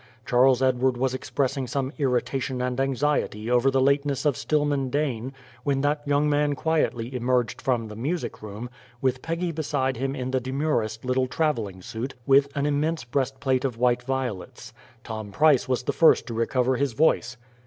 Charles Edward was expressing some irritation and anxiety over the lateness of Stillman Dane, when that young man quietly emerged from the music room, with Peggy beside him in the demurest little travelling suit with an immense breast plate of white violets. Tom Price was the first to recover his voice.